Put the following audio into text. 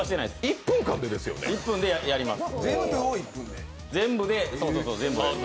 １分間でやります。